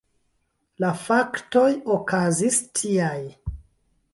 La faktoj okazis tiaj.